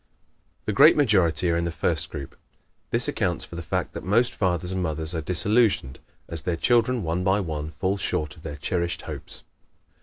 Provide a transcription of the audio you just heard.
The great majority are in the first group. This accounts for the fact that most fathers and mothers are disillusioned, as their children, one by one, fall short of their cherished hopes.